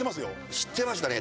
知ってましたね。